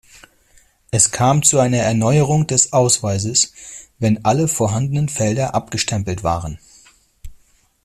Es kam zu einer Erneuerung des Ausweises, wenn alle vorhandenen Felder abgestempelt waren.